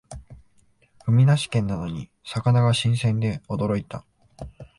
海なし県なのに魚が新鮮で驚いた